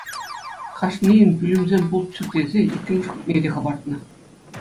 Кашнийӗн пӳлӗмсем пулччӑр тесе иккӗмӗш хутне те хӑпартнӑ.